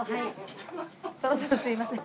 そろそろすいません。